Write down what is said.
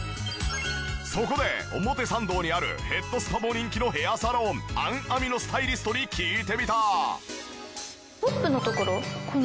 そこで表参道にあるヘッドスパも人気のヘアサロンアンアミのスタイリストに聞いてみた。